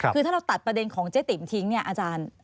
คือถ้าเราตัดประเด็นของเจ๊ติ๋มทิ้งเนี่ยอาจารย์